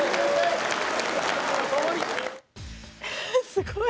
すごい。